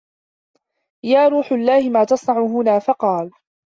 يَا رُوحَ اللَّهِ مَا تَصْنَعُ هُنَا ؟ فَقَالَ